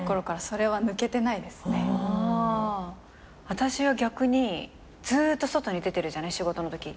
私は逆にずーっと外に出てるじゃない仕事のとき。